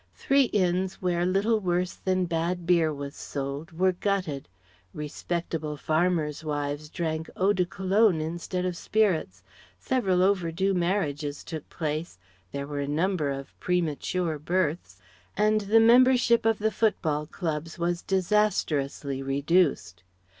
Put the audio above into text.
Three inns where little worse than bad beer was sold were gutted, respectable farmers' wives drank Eau de Cologne instead of spirits, several over due marriages took place, there were a number of premature births, and the membership of the football clubs was disastrously reduced.